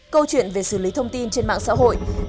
câu chuyện về xử lý thông tin trên mạng xã hội